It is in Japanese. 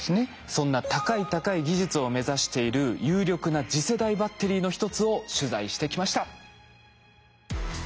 そんな高い高い技術を目指している有力な次世代バッテリーの一つを取材してきました。